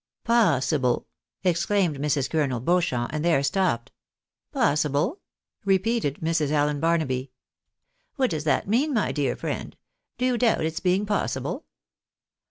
" Possible !" exclaimed Mrs. Colonel Beauchamp, and there stopped. " Possible ?" repeated Mrs. Allen Barnaby. " What does that mean, my dear friend ? Do you doubt its being possible